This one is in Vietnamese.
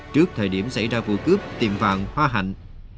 trước thời điểm xảy ra vụ cướp tiệm vàng hoa hạnh